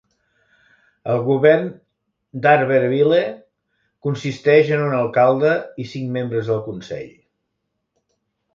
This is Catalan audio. El govern d'Harveryville consisteix en un alcalde i cinc membres del consell.